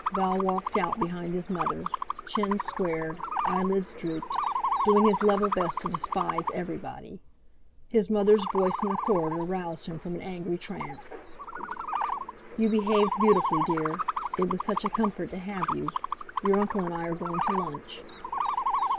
Val walked out behind his mother, chin squared, eyelids drooped, doing his level best to despise everybody. His mother's voice in the corridor roused him from an angry trance. "You behaved beautifully, dear. It was such a comfort to have you. Your uncle and I are going to lunch."